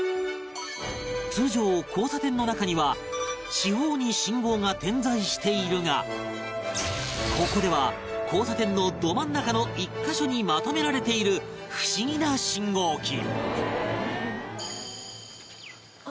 通常交差点の中には四方に信号が点在しているがここでは交差点のど真ん中の１カ所にまとめられている不思議な信号機